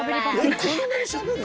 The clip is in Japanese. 「こんなにしゃべる？